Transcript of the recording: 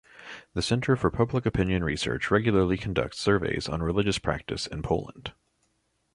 The Centre for Public Opinion Research regularly conducts surveys on religious practice in Poland.